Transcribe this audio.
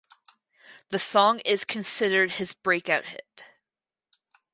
The song is considered his breakout hit.